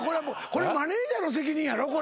これマネジャーの責任やろ？